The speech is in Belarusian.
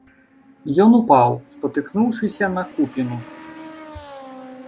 Ён упаў, спатыкнуўшыся, на купіну.